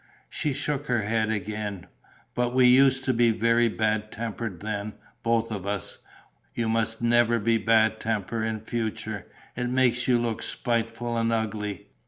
She shook her head again. "But we used to be very bad tempered then, both of us. You must never be bad tempered in future. It makes you look spiteful and ugly.